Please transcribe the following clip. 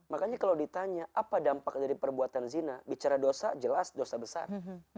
makanya kalau ditanya apa dampak dari perbuatan zina bicara dosa jelas dosa besar